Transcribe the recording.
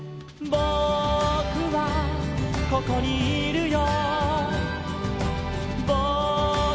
「ぼくはここにいるよ」